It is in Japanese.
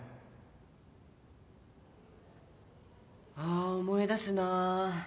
あ思い出すなぁ。